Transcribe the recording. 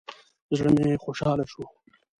زړه مې خوشاله شو.